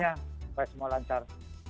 semoga berhasilnya semoga semua lancar